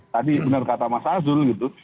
tadi benar kata mas azul gitu